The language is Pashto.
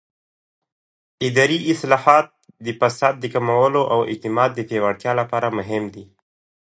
اداري اصلاحات د فساد د کمولو او اعتماد د پیاوړتیا لپاره مهم دي